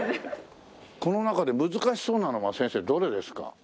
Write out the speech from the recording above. この中で難しそうなのは先生どれですか？